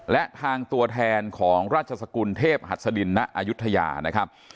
และทางตัวแทนของราชสกุลเทพหัสดินณอายุทยานะครับ